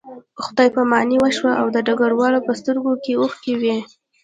خدای پاماني وشوه او د ډګروال په سترګو کې اوښکې وې